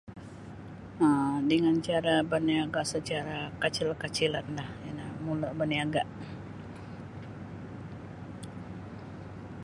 um dengan cara baniaga secara kecil-kecilanlah na mula baniaga.